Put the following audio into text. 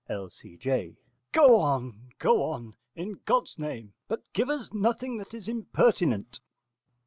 L.C.J. Go on, go on, in God's name: but give us nothing that is impertinent.